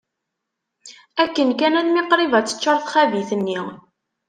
Akken kan, almi qrib ad teččar txabit-nni.